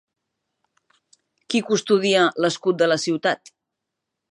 Qui custodia l'escut de la ciutat?